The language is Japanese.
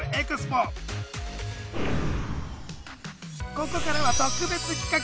ここからは特別企画！